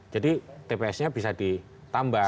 jadi tps nya bisa ditambah gitu loh